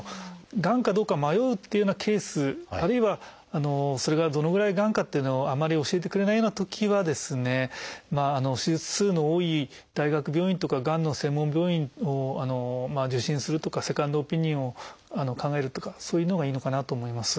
がんかどうか迷うっていうようなケースあるいはそれがどのぐらいがんかっていうのをあまり教えてくれないようなときは手術数の多い大学病院とかがんの専門病院を受診するとかセカンドオピニオンを考えるとかそういうのがいいのかなと思います。